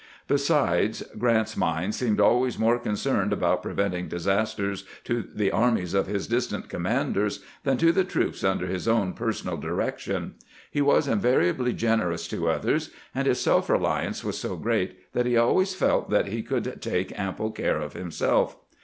Besides, Grant's mind seemed always more concerned about preventing disasters to the armies of his distant commanders than to the troops under his own personal direction. He was invariably generous to others, and his self reliance was so great that he always felt that he could take ample care of himself.